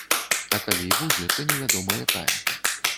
А калі і будзе, то невядома якая.